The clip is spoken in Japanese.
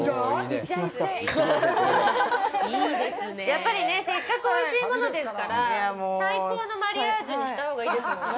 やっぱりねせっかくおいしいものですから最高のマリアージュにしたほうがいいですもんね。